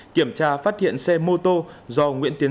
kiểm tra phát hiện xe mô tô do nguyễn tiến